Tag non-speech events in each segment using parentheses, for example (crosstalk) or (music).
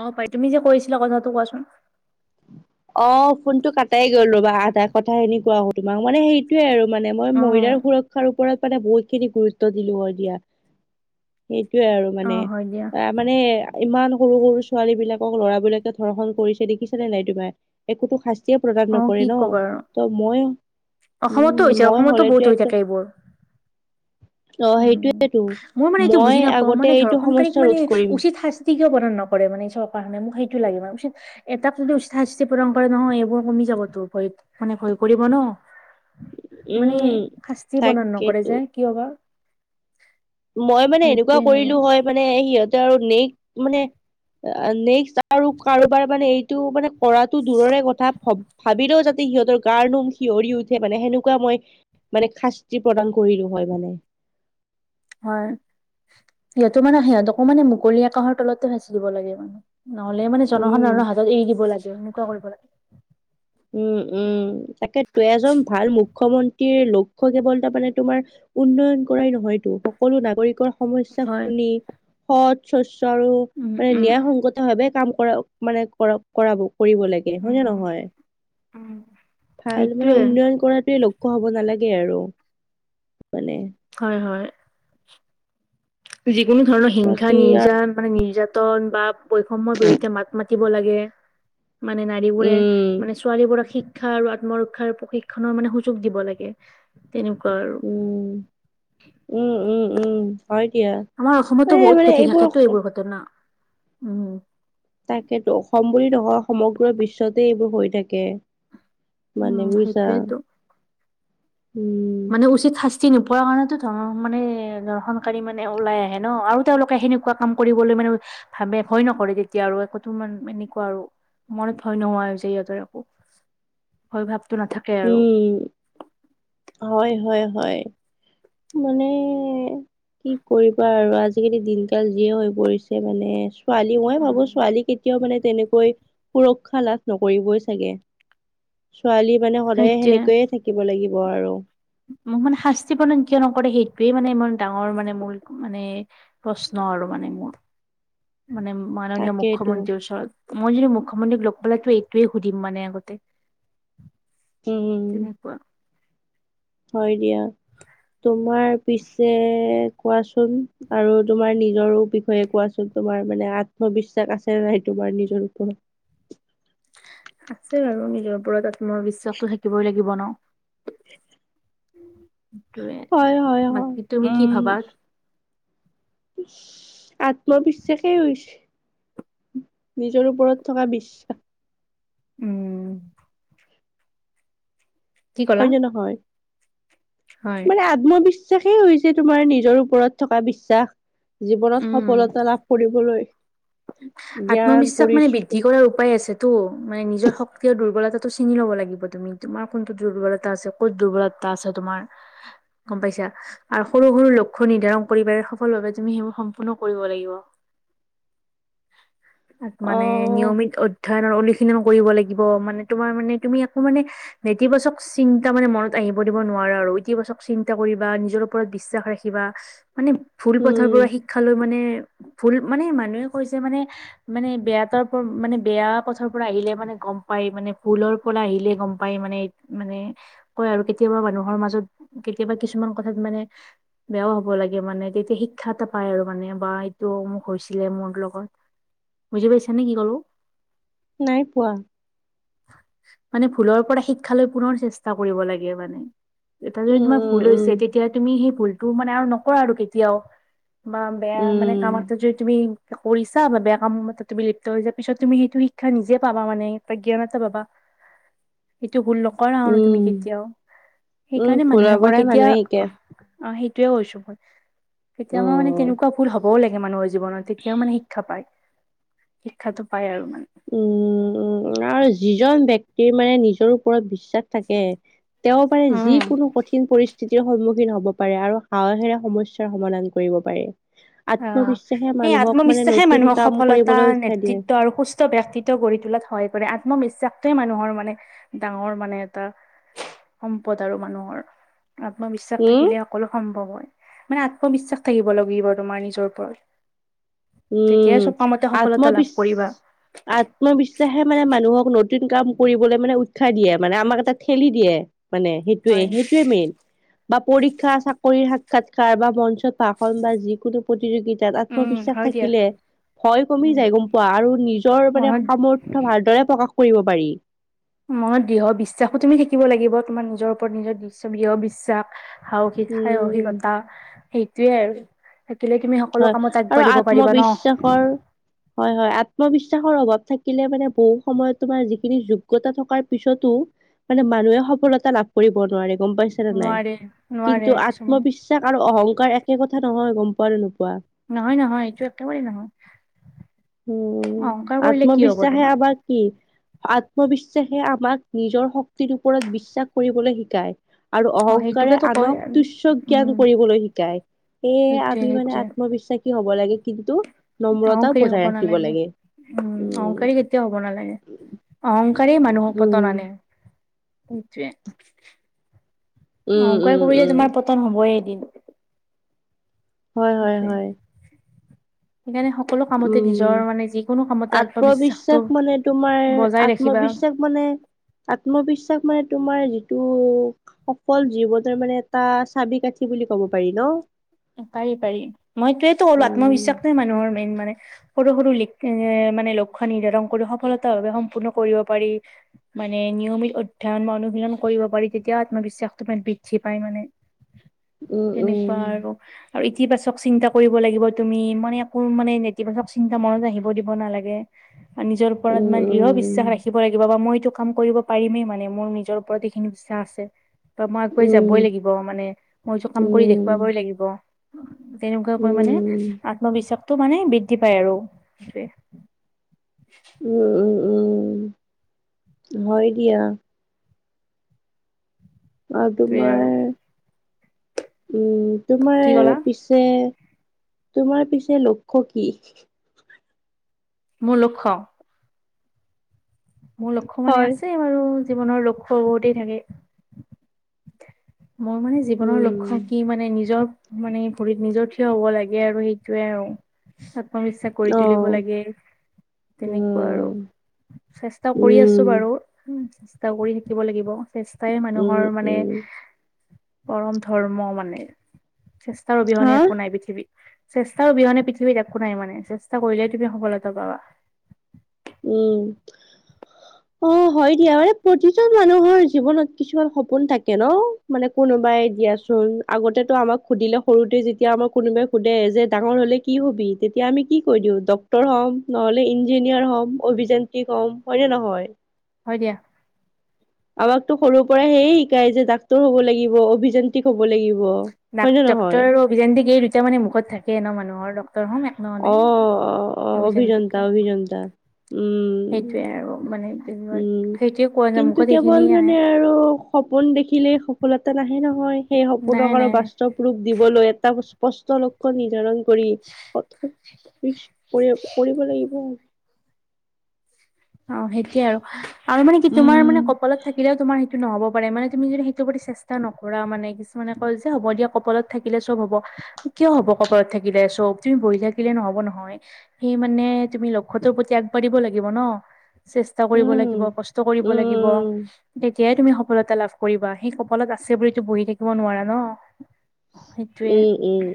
অ পাই তুমি যে কৰিছিলা কথাটো কোৱাচোন অ ফোন টো কাটাই গ'ল ৰ'বা আধা কথা খিনি কোৱা হ তোমাক মানে সেইটোয়ে আৰু মানে মই অ মহিলাৰ সুৰক্ষাৰ ওপৰত মানে বহুত খিনি গুৰুত্ব দিলো হয় দিয়া সেইটোয়ে আৰু অ মানে হয় দিয়া মানে ইমান সৰু সৰু ছোৱালী বিলাকক লৰা বিলাকে ধৰ্ষন কৰিছে দেখিছ নে নাই তোমাৰ একোতো শাস্তিয়ে প্ৰদান অ নকৰে কি ন ক'বা আৰু ত মই অসমতো উম হৈছে মই অসমতো হলেতো বহুত হৈ একদম থাকে এইবোৰ অ উম সেইটোয়েতো মই মানে এইটো বুজি নাপাও আগতে মানে এইটো ধৰ্ষণকাৰীক সমস্যা মানে ৰোধ কৰিম উচিতাস িয় প্ৰদান নৰে মানে এই চৰ কাৰণে মোক সেইটো লাগে মানে উচিত এটাত যদি উসাহ স্তি পৰম্পৰা নহয় এইবোৰ কমি যাবতো ভয়ত মানে ভয় কৰিব ন মানে উম শাস্তি বদন নকৰে তাকেতো যে কিয় বাাৰ মই মানে এনেকুৱা কৰিলো হয় মানে সিহঁতে আৰু নেক্স মানে নেক্স আৰু কাৰোবাৰ মানে এইটো মানে কৰাটো দূৰৰে কথা ভব ভাবিলেও যাতে সিহঁতৰ গাৰ নোম শিঞঁৰি উঠে মানে সেনেকুৱা মই মানে শাস্তি প্ৰদান কৰিলো হয় মানে হয় সিহঁতো মানে সিহঁত অকৌ মানে মুকলি আকাশৰ তল ভচি দিব লাগে মানে নহলে মানে উম জনসাধাৰণৰ হাতত এৰি দিব লাগে এনেকুৱা কৰিব লাগে উম উম তাকে ত এজন ভাল মুখ মুখ্যমন্ত্ৰীৰ লক্ষ্য় কেৱল তাৰ মানে তোমাৰ উন্নয়ন কৰাই নহয়তো সকলো নাগৰিকৰ সমস্া হয় শুনি সৎ শচ্ছ আৰু উম মানে উম ন্ায় সংগত ভাৱে কাম কৰ মানে কৰা কৰিব লাগে উ হয় নে নহয় অম ভাল মানে উন্নয়ন কৰাটোৱে লক্ষ্্য হব নালাগে আৰু মানে হয় হয় যিকোনো ধৰণৰ হিংসা নি বাকী মানে নিৰ্যাতন বা বৈষম্য়ৰ বিৰুদ্ধে মাত মাতি দিব লাগে মানে নাৰীবোৰে উম মানে ছোৱালী বোৰক শিক্ষা আৰু আত্মৰক্ষাৰ প্ৰশিক্ষনৰৰ মানে সুযোগ দিব লাগে তেনেকুৱা আৰু উম উম উম উম হয় দিয়া আমাৰ অসমতো মানে বহুত মানে ঘটি থাকেতো অস- এইবোৰ ঘটনা উম তাকেতো অসম বুলি নকয় সমগ্ৰ বিশ্বতে এইবোৰ হৈ থাকে মানে উম, উইছা সেইটোয়েতো। উম মানে উচিত শাস্তি নোপোৱাৰ কাৰণেতো ধৰ মানে দ ধৰ্শনকাৰী মানে ওলাই আহে ন আৰু তেওঁলোকে সেনেকুৱা এনেকুৱা কাম কৰিবলৈ মানে ভাবে ভয় নকৰে তেতিয়া আৰু একোোান এনেকুৱা আৰু মনত ভয় নোহোৱাাই যে ইহঁতৰ একো ভয় ভাৱটোো নাথাকে আৰু উম হয় হয় হয় মানে কি কৰিবা আৰু আজিকালি দিনকাল যিয়ে হৈ পৰিছে মানে ছোৱালী মই ভাবো উম, ছোৱালী কেতিয়াও মানে তেনেকৈ সুৰক্ষা লাভ নকৰিবই চাগে ছোৱালী মানে সদায় সেইটোৱে সেনেকয়ে থাকে শাকিব লাগিব আৰু মোক মানে শাস্তি প্ৰদান কিয় নকৰে সেইটোোৱে মানে ইমান ডাঙৰ মানে মূল মানে প্ৰশ্ন আৰু মানে মোৰ মানে মাননীয় তাকেইতো মুখ্যমন্ত্ৰীৰ ওচৰত মই যদি মুখ্যমন্ত্ৰীক লগ পাল তো এইটয়ে সুধিম মানে আগতে উম তেনে পোৱা হয় দিয়া তোমাৰ পিছে কোৱাচোন আৰু তোমাৰ নিজৰো বিষয়ে কোৱাচোন তোমাৰ মানে আত্মবিশ্বাস আছে ন নাই তোমাৰ নিজৰ ওপৰত আছে বাৰু নিজৰ ওপৰত আত্মবিশ্বাসটো থাকিবই লাগিব ন সেইটোৱে হয় হয় হয় বাকী তুমি কি উম ভাবা আত্মবিশ্বাসেই হৈছে নিজৰ ওপৰত থকা বিশ্বাস উম। কি কলা হয় নে নহয়। হয় মানে আত্মবিশ্বাসেই হৈছে তোমাৰ নিজৰ ওপৰত থকা বিশ্বাস। জীৱনত উম সফলতা লাভ কৰিবলৈ জ্ঞান পৰি তি কৰাৰ উপায় আছেতো মানে নিজৰ শক্তি আৰু দুৰ্বলতাটো চিনি ল'ব লাগিব তুমি তোমাৰ কোনটো দুৰ্বলতা আছে। কুত দুৰ্বলতা আছে তোমাৰ গম পাইছা। আৰু সৰু সৰু লক্ষ্য নিৰ্ধাৰণ কৰিব পাৰে সফল ভাৱে তুমি সেইবোৰ সম্পূৰ্ণ কৰিব লাগিব। মানে নিয়মিত অহ অধ্যয়নৰ অনুশীলন কৰিব লাগিব মানে তোমাৰ মানে তুমি আকৌ মানে নেতিবাচক চিন্তা মানে মনত আহিব দিব নোৱাৰা আৰু ইতিবাচক চিন্তা কৰিবা নিজৰ ওপৰত বিশ্বাস ৰাখিবা। মানে ভুল পথৰ উম পৰা শিক্ষা লৈ মানে ভুল মানে মানুহে কৈছে মানে মানে বেয়া তাৰ মানে বেয়া পথৰ পৰা আহিলে মানে গম পায় মানে ভুলৰ পৰা আহিলে গম পায় মানে। মানে কয় আৰু কেতিয়াবা মানুহৰ মাজত কেতিয়াবা কিছুমান কথাত মানে বেয়াও হ'ব লাগে মানে তেতিয়া শিক্ষা এটা পাই আৰু মানে বা এইটো মোক হৈছিলে মোৰ লগত। বুজি পাইছা নে কি কলো। নাই পোৱা। মানে ভুলৰ পৰা শিক্ষালৈ পুনৰ চেষ্টা কৰিব লাগে মানে। এটা যদি উম তোমাৰ ভুল উম হৈছে উম তেতিয়া তুমি সেই ভুলটো মানে আৰু নকৰা আৰু কেতিয়াও। বা বেয়া মানে উম কাম এটা যদি তুমি কৰিছা বা কাম বিলিপ্ত হৈ য পিছত তুমি সেইটো শিক্ষা নিজে পাবা মানে ত জ্ঞান এটা পাবা। সেইটো ভুল নকৰা আৰু ন তুমি উম কেতিয়াও উম সেইকাৰণে ভুলৰ মানুহে কয় পৰাই কেতিয়া মানুহে শিকে। অ' সেইটোয়ে কৈছো মই কেতিয়াবা মানে উম। তেনেকুৱা ভুল হবও লাগে মানুহৰ জীৱনত তেতিয়াও মানে শিক্ষা শিক্ষাটো পায় আৰু মানে। উম উম আৰু যিজন ব্যক্টিৰ মানে নিজৰ ওপৰত বিশ্বাস থাকে। তেওঁবাৰে উম যিকোনো কঠিন পৰিস্থিতিৰ সন্মুখীন হ'ব পাৰে আৰু সাহসেৰে সমস্যাৰ সমাধান কৰিব পাৰে। অ' আত্মবিশ্বাসে সেই মানুহক মানে আত্মবিশ্বাসে নতুন মানুহৰ কাম সফলতা কৰিবলৈ উৎসাহ দিয়ে। নেতৃত্ব আৰু সুস্থ ব্যক্তিত্ব গঢ়ি তোলাত সহায় কৰে আত্মবিশ্বাসটোৱে মানুহৰ মানে ডাঙৰ মানে এটা সম্পদ আৰু মানুহৰ আত্মবিশ্বাস উম, থাকিলে সকলো সম্ভৱ হয় মানে আত্মবিশ্বাস থাকিব লাগিব। তোমাৰ নিজৰ ওপৰত উম, তেতিয়াই চপ কামতে সফলতা আত্মবিশ লাভ কৰিবা। আত্মবিশ্বাসে মানে মানুহক নতুন কাম কৰিবলৈ মানে উৎসাহ দিয়ে মানে আমাক এটা ঠেলি দিয়ে। মানে সেইটোয়ে হয়, সেইটোয়ে মেইন। বা পৰীক্ষা চাকৰি সাক্ষাৎকাৰ বা মঞ্চত ভাষণ বা যিকোনো প্ৰতিযোগিতা উম, আত্মবিশ্বাস হয় দিয়া। থাকিলে ভয় কমি উম, যায় গম পোৱা আৰু নিজৰ মানে মনত সামৰ্থ ভালদৰে প্ৰকাশ কৰিব পাৰি। মনত দৃঢ় বিশ্বাসো তুমি থাকিব লাগিব তোমাৰ নিজৰ ওপৰত নিজৰ দৃঢ় বিশ্বাস। খাও কি খাই উম, অহিকতা সেইটোয়ে আৰু। থাকিলে তুমি সকলো হয় কামত আৰু আগবাঢ়িব পাৰিবা আত্মবিশ্বাসৰ ন'। হয়, হয়। আত্মবিশ্বাসৰ অভাৱ থাকিলে মানে বহু সময়ত তোমাৰ যিখিনি যোগ্যতা থকাৰ পিছতো মানে মানুহে সফলতা লাভ কৰিব নোৱাৰে গম পাইছেনে নাই, নোৱাৰে নোৱাৰে কিন্তু কিছুমানে আত্মবিশ্বাস (unintelligible) আৰু অহংকাৰ একে কথা নহয় গম পোৱানে নোপোৱা। নহয়, নহয়, এইটো একেবাৰেই নহয়। উম, অহংকাৰ কৰিলে কি হব আত্মবিশ্বাসে তোমাৰ আমাৰ কি আত্মবিশ্বাসে আমাক নিজৰ শক্তিৰ ওপৰত বিশ্বাস কৰিবলৈ শিকায়। আৰু অ অহংকাৰে সেইটোকেতো কয় আনক তুষ্য জ্ঞান উম কৰিবলৈ শিকায়। সেয়ে সেইটোয়ে আমি মানে সেইটোয়ে আত্মবিশ্বাসী হ'ব লাগে কিন্তু নম্ৰতাও অহংকাৰী বজাই হব ৰাখি নালাগে উম, অহংকাৰী কেতিয়াও হ'ব নালাগে, অহংকাৰী মানুহক উম, পতন আনে। সেইটোৱে, উম, অহংকাৰ উম, কৰিলে উম তোমাৰ পতন হ'বয়ে এদিন। হয়, হয়, সেইটোয়ে হয়। সেইকাৰণে সকলো কামতে নিজৰ উম, মানে যিকোনো কামতে আত্মবিশ্বাসটো আত্মবিশ্বাস মানে তোমাৰ বজাই ৰাখিবা আত্মবিশ্বাস মানে আত্মবিশ্বাস মানে তোমাৰ যিটো সফল জীৱনৰ মানে এটা চাবি কাঠি বুলি ক'ব পাৰি ন'। পাৰি পাৰি, মই এইটোৱেইতো ক'লো উম, আত্মবিশ্বাসটোৱেই মানুহৰ মেইন মানে। সৰু সৰু লিক এ মানে লক্ষ্য নিৰ্ধাৰণ কৰি সফলতা ভাৱে সম্পূৰ্ণ কৰিব পাৰি। মানে নিয়মিত অধ্যয়ন বা অনুশীলন কৰিব পাৰি তেতিয়া আত্মবিশ্বাসতো মানে বৃদ্ধি পাই মানে। উম, তেনেকুৱা উম, আৰু। আৰু ইতিবাচক চিন্তা কৰিব লাগিব তুমি মানে একো মানে নেতিবাচক চিন্তা মনত আহিব কৰিব দিব নালাগে। নিজৰ ওপৰত উম, মানে দৃ়ঢ় বিশ্বাস ৰাখিব লাগিব বা মই এইটো কাম কৰিব পাৰিমেই মানে মোৰ নিজৰ ওপৰত এইখিনি বিশ্বাস (unintelligible) আছে, বা মই উম, আগুৱাই উম, যাবই লাগিব মানে, মই এইটো কাম কৰি উম, দেখুৱাবই লাগিব। তেনেকুৱাকৈ মানে উম, উম, আত্মবিশ্বাসটো মানে বৃদ্ধি পায় আৰু সেইটোৱে। উম, উম, হয় দিয়া। অহ' আৰু তোমাৰ উম, তোমাৰ কি ক'লা পিছে, তোমাৰ পিছে লক্ষ্য কি? মোৰ লক্ষ্য। মোৰ লক্ষ্য মানে হয়, আছে বাৰু জীৱনৰ লক্ষ্য বহুতেই থাকে। মোৰ মানে জীৱনৰ উম, লক্ষ্য কি মানে নিজৰ মানে ভৰিত নিজৰ থিয় হ'ব লাগে আৰু সেইটোৱে আৰু। আত্মবিশ্বাস কৰি তুলিব অ', লাগে, তেনেকুৱা আৰু। উম, চেষ্টা কৰি আছোঁ উম, বাৰু। উম, চেষ্টা কৰি থাকিব লাগিব চেষ্টাই উম, মানুহৰ মানে উম, পৰম ধৰ্ম মানে, চেষ্টাৰ হা, অবিহনে একো নাই পৃথিৱীত। চেষ্টা অবিহনে পৃথিৱীত একো নাই মানে, চেষ্টা কৰিলেহে তুমি সফলতা পাবা। উম। (unintelligible) অহ, হয় দিয়া। মানে প্ৰতিজন মানুহৰ জীৱনত কিছুমান সপোন থাকে ন'। মানে কোনোবাই দিয়াচোন আগতেটো আমাক সুধিলে সৰুতে যেতিয়া আমাক কোনোবাই সোধে যে ডাঙৰ হ'লে কি হ'বি। তেতিয়া আমি কি কৈ দিওঁ ডক্টৰ হ'ম নহ'লে ইঞ্জিনিয়াৰ হ'ম। অভিযান্ত্ৰীক হ'ম হয়নে নহয়। হয় দিয়া। আমাকতো সৰুৰ পৰাই সেয়ে শিকাই যে ডাক্তৰ হ'ব লাগিব অভিযা (unintelligible) হ'ব লাগিব। হয় নে ডাক-ডক্টৰ নহয় আৰু অভিযান্তিক এই দুটা মানে মুখত থাকে ন' মানুহৰ ডক্টৰ হ'ম নহ'লে অহ', অহ', অহ' অভিযান্ত্ৰিক অভিযন্তা হ'ম। অভিযন্তা উম। সেইটোৱে আৰু মানে উম, সেইটোৱে কোৱা যায় কিন্তু মুখত কেৱল সেইখিনিয়ে মানে আহে আৰু সপোন দেখিলেই সফলতা নাহে নহয়, সেই নাই সপোনক আৰু নাই বাস্তৱ ৰূপ দিবলৈ এটা স্পষ্ট লক্ষ্য নিধ (unintelligible) কৰি কঠোৰ (unintelligible) কৰিব লাগিব। অ' সেইটোৱে আৰু, আৰু মানে কি তোমাৰ উম। মানে কপ কপালত থাকিলেও তোমাৰ সেইটো নহ'ব পাৰে মানে তুমি যদি সেইটো প্ৰতি চেষ্টা নকৰা মানে কিছুমানে কয় যে হ'ব দিয়া কপালত থাকিলে চব হ'ব, কিয় হ'ব কপালত থাকিলে চব তুমি বহি থাকিলে নহ'ব নহয়। সি মানে তুমি লক্ষ্যটোৰ প্ৰতি আগবাঢ়িব লাগিব ন। চেষ্টা কৰিব উম। লাগিব কষ্ট কৰিব লাগিব। উম, তেতিয়াই তুমি সফলতা লাভ কৰিবা সেই সফলত আছে বুলিতো বহি থাকিব নোৱাৰা ন। সেইটোয়ে উম', উম'।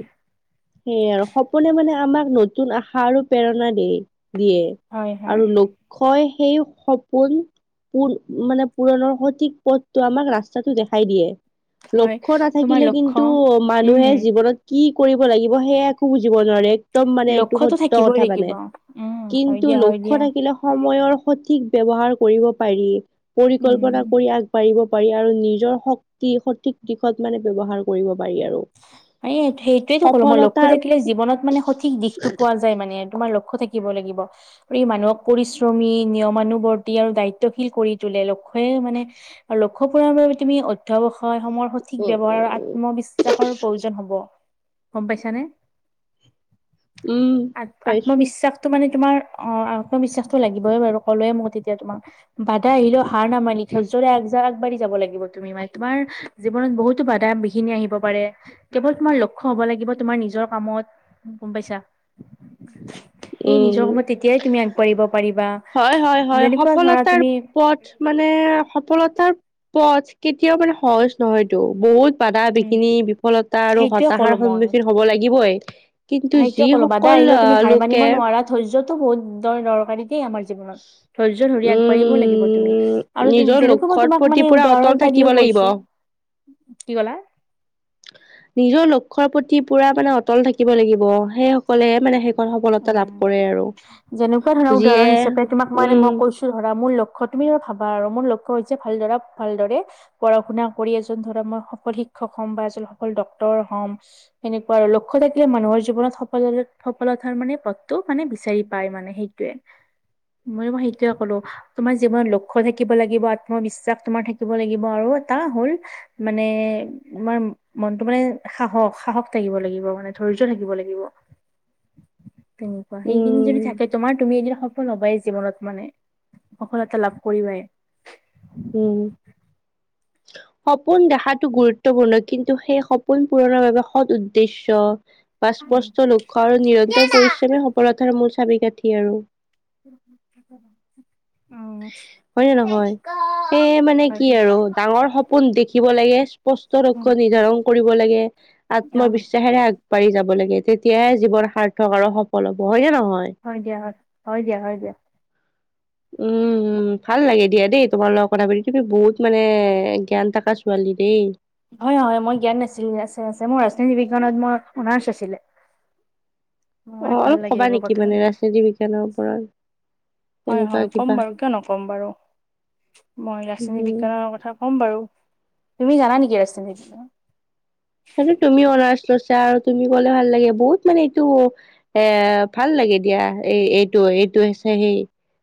সেয়ে আৰু সপোনে মানে আমাক নতুন আশা আৰু প্ৰেৰণা দিয়, দিয়ে। হয় হয় আৰু লোক্ষ্যই সেই সপোন পুন মানে পুৰণৰ সঠিক পথটো আমাক ৰাস্তাটো দেখাই দিয়ে। হয় লক্ষ্য তোমাৰ নাথাকিলে লক্ষ্য কিন্তু টো উম মানুহে জীৱনত কি কৰিব লাগিব সেয়া একো বুজিব নোৱাৰে। উত্তম মানে এইটো লক্ষ্যতো সত্য থাকিবই কথা মানে লাগিব উম হয় কিন্তু দিয়া হয় লক্ষ্য দিয়া থাকিলে। সময়ৰ সঠিক ব্যৱহাৰ কৰিব পাৰি উম পৰিকল্পনা কৰি আগবাঢ়িব পাৰি আৰু নিজৰ শক্তি সঠিক দিশত মানে ব্যৱহাৰ কৰিব পাৰি আৰু। এই সেইটোয়েই কলো মই লক্ষ্য সফলতাৰ থাকিলে জীৱনত মানে সঠিক দিশটো পোৱা যায়। যায় মানে তোমাৰ লক্ষ্য থাকিব লাগিব। মানুহক পৰিশ্ৰমী নিয়মানুবৰ্তি আৰু দায়িত্বশীল কৰি তোলে লক্ষ্যই মানে আৰু লক্ষ্য পূুৰণ বাবে তুমি অধ্যয়ৱসায় সময়ৰ সঠিক উ ব্যৱহাৰ আৰু আত্মবিশ্বাস চাৰ প্ৰয়োজন হ'ব গম পাইছানে। উম আ পাইছো আত্মবিশ্বাস। মানে তোমাৰ অ' আত্মবিশ্বাসতটো লাগিবই বাৰু কলোয়ে মোক তেতিয়া তোমাক। বাদা আহিলেও হাৰ নামানি ধৈৰ্যৰে আগবাঢ়ি যাব লাগিব তুমি মানে তোমাৰ জীৱনত বহুতো বাধা বিঘিনি আহিব। কেৱল তোমাৰ লক্ষ্য হব লাগিব তোমাৰ নিজৰ কামত গম পাইছা। (inaudible) সেই নিজৰ উম কামত তেতিয়াই তুমি আগবাঢ়িব পাৰিবা হয় হয় হয় যেনেকুৱা ধৰা সফলতাৰ তুমি পথ মানে সফলতাৰ পথ কেতিয়াও মানে সহজ নহয়টো বহুত বাধা উম বিঘিনি বিফলতা আৰু সেইটোয়ে হতাহাৰ ক'লো মই সন্মুখীন হব লাগিবই। কিন্তু যিসকল লোক ধৈৰ্যতো বহুত দৰ দৰকাৰী দেই আমাৰ (unintelligible) জীৱনত ধৈৰ্য ধৰি আগবাঢ়িব লাগিব তুমি উম আৰু নিজৰ যেনেকুৱা মই লক্ষ্যৰ তোমাক প্ৰতি মানে পুৰা অটল উদাহৰণ এটা থাকিব দিয়ে লাগিব কৈছো। কি ক'লা? নিজৰ লক্ষ্যৰ প্ৰতি পুৰা মানে অটল থাকিব লাগিব সেই সকলে মানে সফলতা লাভ কৰে আৰু যেনেকুৱা ধৰা যিয়ে উদাহৰণ হিচাপে তোমাক মানে মই উম। কৈছো ধৰা মোৰ লক্ষ্য তুমি ধ ভাবা আৰু মোৰ লক্ষ্য হৈছে ভালদৰা ভালদৰে। পঢ়া শুনা কৰি এজন ধৰা মই সফল শিক্ষক হ'ম বা এজন সফল ডক্তৰ হ'ম। এনেকুৱা আৰু লক্ষ্য থাকিলে মানুহৰ জীৱনত সফলতা মানে পদটো মানে বিচাৰি পাই মানে সেইটোয়ে মই মই সেইটোয়ে কলো। তোমাৰ জীৱনত লক্ষ্য থাকিব লাগিব আত্মবিশ্বাস তোমাৰ থাকিব লাগিব আৰু এটা হ'ল মানে তমাৰ মনতটো মানে সাহস সাহস থাকিব লাগিব মানে ধৈৰ্য থাকিব লাগিব। তেনেকুৱা সেই কিনি উম যদি থাক তোমাৰ তুমি এদিন সফল হবাই জীৱনত মানে সফলতা লাভ কৰিবাই। উম। সপোন দেখাটো গুৰুত্বপূৰ্ণ কিন্তু সেই সপোন পূৰণৰ বাবে সৎ উদ্দেশ্য বা উম স্পষ্ট লক্ষ্য আৰু নিৰন্তৰ পৰিশ্ৰমী সবলতাৰ মূল চাবি কাঠি আৰু। (inaudible) উম, হয় নে নহয়? সেয়ে মানে কি হয়। আৰু ডাঙৰ সপোন দেখিব লাগে স্পষ্ট লক্ষ্য নিৰ্ধাৰণ কৰিব লাগে অ আত্মবিশ্বাসেৰে আ পাৰি যাব লাগে তেতিয়াহে জীৱন সাৰ্থক আৰু সফল হ'ব হয় নে নহয়। হয় দিয়া হয়, হয়, দিয়া হয় দিয়া। উম। উম, ভাল লাগে দিয়া দেই তোমাৰ লগত কথা পাতি তুমি বহুত মানে জ্ঞান থকা ছোৱালী দেই। হয়, হয়, হয়, মই জ্ঞান নাছিল আছে, আছে মোৰ ৰাজনৈতি বিজ্ঞানত মোৰ অনাৰ্চ আছিলে। মানে ভাল লাগে এইবোৰ কথা (unintelligible) জতি বিজ্ঞানৰ ওপৰত। হয়, তেনেকুৱা হয়, ক'ম কিবা বাৰু কিয় নক'ম বাৰু মই ৰাজনীতি উম বিজ্ঞানৰ কথা ক'ম বাৰু তুমি জানা নেকি ৰাজ মে তুমি অনাৰ্চ লৈছা আৰু তুমি কলে ভাল লাগে বহুত মানে এইটো এ, ভাল লাগে দিয়া এই এইটো, এইটো হৈছে সেই